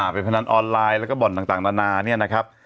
เป็นพนันออนไลน์แล้วก็บ่อนต่างนานาเนี่ยนะครับ